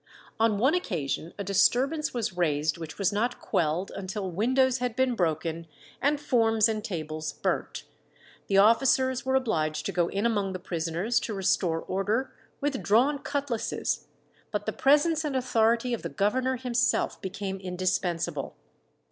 On one occasion a disturbance was raised which was not quelled until windows had been broken and forms and tables burnt. The officers were obliged to go in among the prisoners to restore order with drawn cutlasses, but the presence and authority of the governor himself became indispensable.